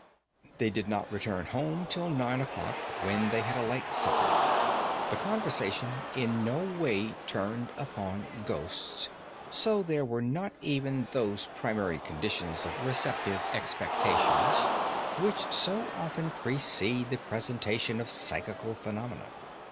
They did not return home till nine o'clock, when they had a light supper. The conversation in no way turned upon ghosts, so there were not even those primary conditions of receptive expectations which so often precede the presentation of psychical phenomena.